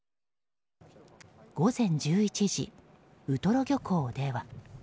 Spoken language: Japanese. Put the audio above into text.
午前１１時、ウトロ漁港では。